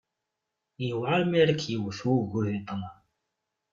Yewεer mi ara k-yewwet wugur di ṭṭlam.